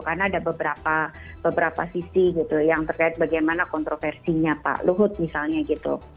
karena ada beberapa sisi gitu yang terkait bagaimana kontroversinya pak luhut misalnya gitu